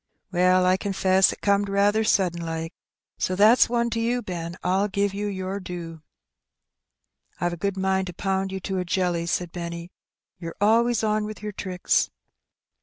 " Well, I confess it corned raather sudden like ; so thaf s one to you, Ben. I'll give you yer due." " I've a good mind to pound you to a jelly/' said Benny. "Yer always on with yer tricks."